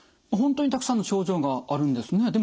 本当にたくさんの症状があるんですね。